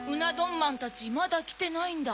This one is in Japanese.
まんたちまだきてないんだ。